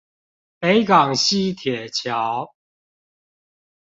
北港溪鐵橋